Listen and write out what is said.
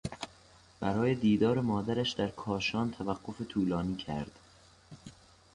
برای دیدار مادرش در کاشان توقف طولانی کرد.